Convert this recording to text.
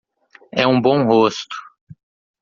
É um bom rosto.